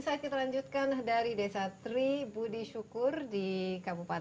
ya insight kita lanjutkan dari desa tri budi syukur di kabupaten